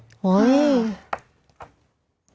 โอ้ย